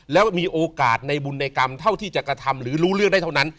แล้วมีโอกาสในบุญในกรรมเท่าที่จะกระทำหรือรู้เรื่องได้เท่านั้น